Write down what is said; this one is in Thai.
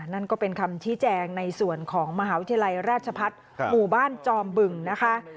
นั่นก็เป็นคำชี้แจงในส่วนของมหาวิทยาลัยราชพัฒน์หมู่บ้านจอมบึงนะคะ